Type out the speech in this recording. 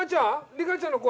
リカちゃんの声？